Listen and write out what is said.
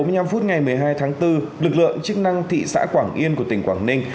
khoảng hai mươi một h bốn mươi năm ngày một mươi hai tháng bốn lực lượng chức năng thị xã quảng yên của tỉnh quảng ninh